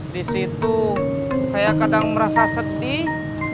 disitu saya kadang merasa sedih